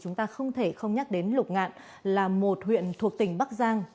chúng ta không thể không nhắc đến lục ngạn là một huyện thuộc tỉnh bắc giang